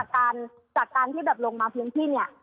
แต่ว่าจากการที่แบบลงมาเพียงที่เนี่ย